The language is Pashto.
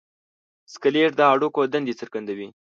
سکلیټ د هډوکو دندې څرګندوي.